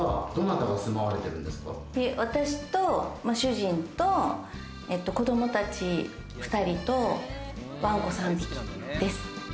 私と主人と子どもたち２人と、ワンコ３匹です。